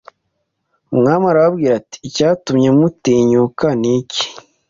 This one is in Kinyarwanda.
Umwami arababwira ati Icyatumye mutinyuka niki